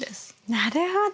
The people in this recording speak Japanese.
なるほど。